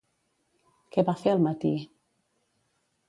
Què va fer al matí?